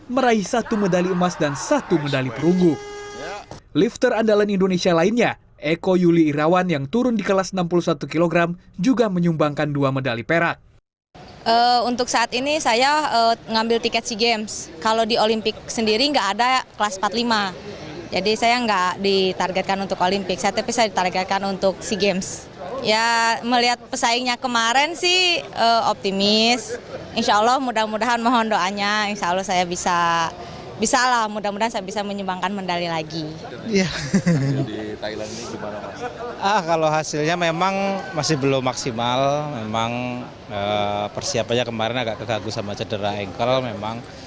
memang persiapannya kemarin agak kegaguh sama cedera engkel memang